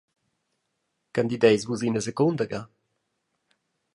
Candideis Vus ina secunda ga?